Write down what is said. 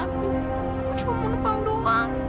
aku cuma mau depan doang